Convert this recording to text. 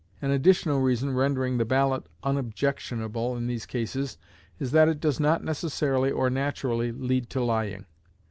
An additional reason rendering the ballot unobjectionable in these cases is that it does not necessarily or naturally lead to lying.